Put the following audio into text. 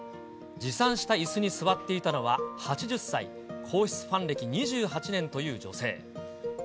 持参したいすに座っていたのは、８０歳、皇室ファン歴２８年という女性。